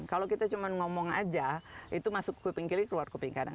kalau kita cuma ngomong saja itu masuk ke pingkili keluar ke pingkali